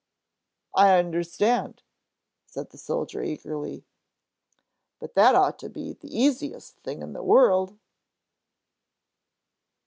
"I understand!" said the soldier eagerly. "But that ought to be the easiest thing in the world."